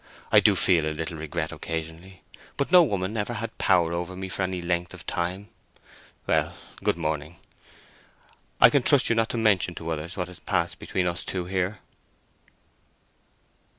I do feel a little regret occasionally, but no woman ever had power over me for any length of time. Well, good morning; I can trust you not to mention to others what has passed between us two here."